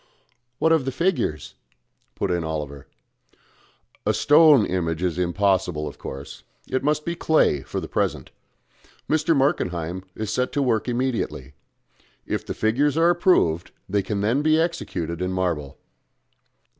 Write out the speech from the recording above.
"What of the figures?" put in Oliver. "A stone image is impossible, of course. It must be clay for the present. Mr. Markenheim is to set to work immediately. If the figures are approved they can then be executed in marble."